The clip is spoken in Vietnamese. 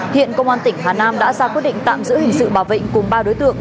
hiện công an tỉnh hà nam đã ra quyết định tạm giữ hình sự bảo vệ cùng ba đối tượng